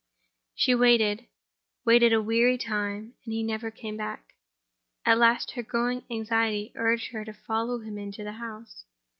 She waited—waited a weary time; and he never came back. At last her growing anxiety urged her to follow him into the house.